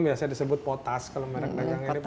biasanya disebut potas kalau merek dagang ini